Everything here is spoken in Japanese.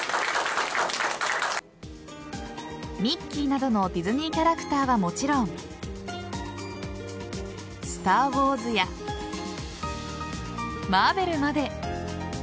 ミッキーなどのディズニーキャラクターはもちろん「スター・ウォーズ」やマーベルまで。